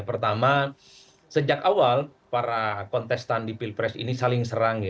pertama sejak awal para kontestan di pilpres ini saling serang